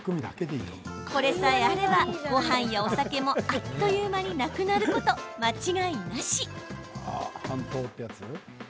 これさえあればごはんやお酒もあっという間になくなること間違いなし！